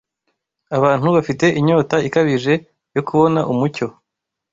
Abantu bafite inyota ikabije yo kubona umucyo